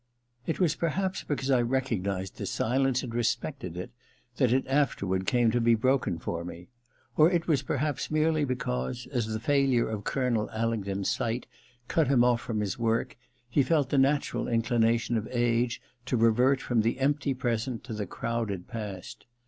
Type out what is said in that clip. It was perhaps because I recognized this silence and respected it that it afterward came to be broken for me. Or it was perhaps merely because, as the failure of Colonel Alingdon's sight cut him off from his work, he felt the natural inclination of age to revert from the empty present to the crowded past.